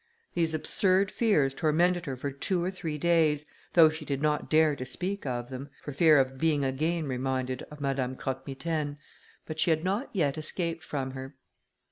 These absurd fears tormented her for two or three days, though she did not dare to speak of them, for fear of being again reminded of Madame Croque Mitaine; but she had not yet escaped from her.